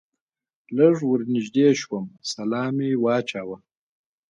لږ ور نږدې شوم سلام مې واچاوه.